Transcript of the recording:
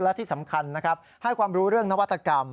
และที่สำคัญนะครับให้ความรู้เรื่องนวัตกรรม